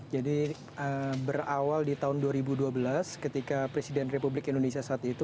jadi berawal di tahun dua ribu dua belas ketika presiden republik indonesia saat itu